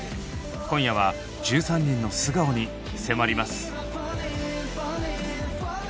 今夜は１３人の素顔に迫ります。